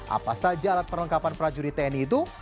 apa saja alat perlengkapan prajurit tni itu